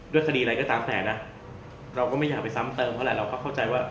คดีอะไรก็ตามแต่นะเราก็ไม่อยากไปซ้ำเติมเท่าไหร่เราก็เข้าใจว่า